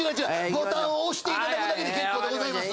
ボタンを押して頂くだけで結構でございます。